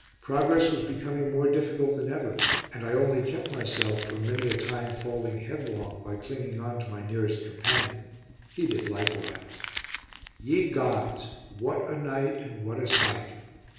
Progress was becoming more difficult than ever, and I only kept myself from many a time falling headlong by clinging on to my nearest companion; he did likewise. Ye gods! what a night, and what a sight!